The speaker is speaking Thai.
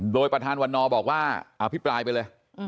โดยประธานวันนอบอกว่าอภิปรายไปเลย